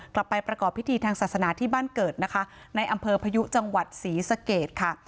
กลับไปประกอบพิธีทางศาสนาที่บ้านเกิดนะคะในอำเภอพยุจังหวัดศรีสะเกดค่ะ